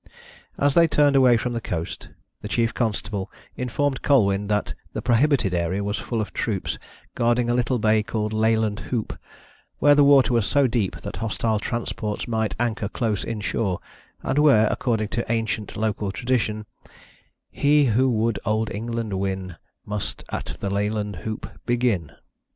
As they turned away from the coast, the chief constable informed Colwyn that the prohibited area was full of troops guarding a little bay called Leyland Hoop, where the water was so deep that hostile transports might anchor close inshore, and where, according to ancient local tradition, "He who would Old England win, Must at the Leyland Hoop begin."